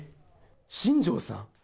新庄さん？